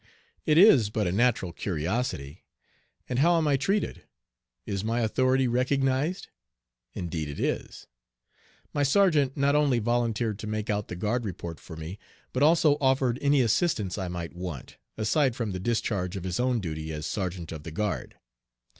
It is but a natural curiosity. And how am I treated? Is my authority recognized? Indeed it is. My sergeant not only volunteered to make out the guard report for me, but also offered any assistance I might want, aside from the discharge of his own duty as sergeant of the guard.